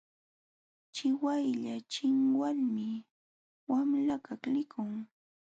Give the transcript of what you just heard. Chiwaylla chinwalmi wamlakaq likun.